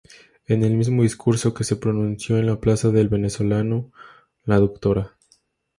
En el mismo discurso que se pronunció en la Plaza del Venezolano la Dra.